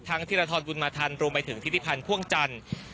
ทั้งธิรธรรมบุญมาธรรมรวมไปถึงธิพันธ์พ่วงจันทร์